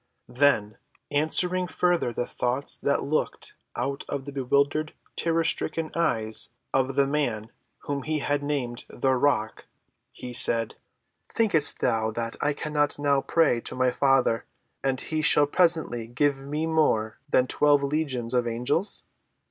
Then, answering further the thoughts that looked out of the bewildered, terror‐stricken eyes of the man whom he had named "The Rock," he said: "Thinkest thou that I cannot now pray to my Father, and he shall presently give me more than twelve legions of angels?